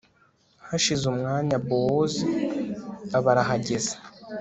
hashize umwanya bowozi aba arahageze